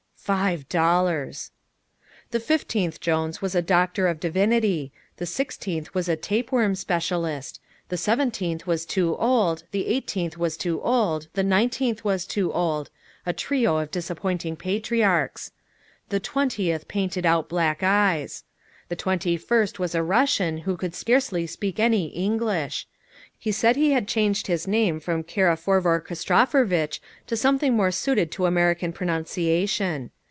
Five dollars! The fifteenth Jones was a doctor of divinity; the sixteenth was a tapeworm specialist; the seventeenth was too old, the eighteenth was too old, the nineteenth was too old a trio of disappointing patriarchs. The twentieth painted out black eyes; the twenty first was a Russian who could scarcely speak any English. He said he had changed his name from Karaforvochristophervitch to something more suited to American pronunciation.